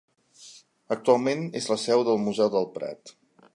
Actualment és la seu del Museu del Prat.